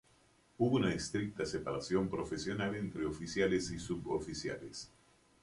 Hubo una estricta separación profesional entre oficiales y suboficiales.